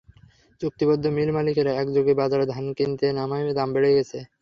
চুক্তিবদ্ধ মিল মালিকেরা একযোগে বাজারে ধান কিনতে নামায় দাম বেড়ে গেছে।